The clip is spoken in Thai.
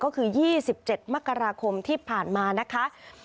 ก็คือ๒๗มกราคมที่ผ่านมานะคะ